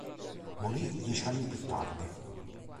Morì dieci anni più tardi.